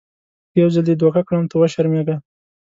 که یو ځل دې دوکه کړم ته وشرمېږه .